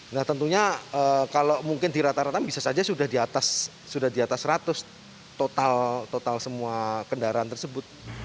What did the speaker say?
nah tentunya kalau mungkin di rata rata bisa saja sudah di atas seratus total semua kendaraan tersebut